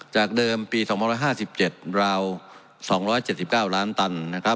จากเดิมปี๒๕๗เรา๒๗๙ล้านตัน